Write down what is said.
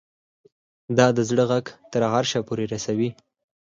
دا د زړه غږ تر عرشه پورې رسوي